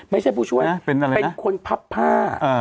ไม่ใช่ผู้ช่วยเป็นคนพับผ้า